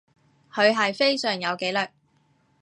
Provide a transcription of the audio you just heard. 佢係非常有紀律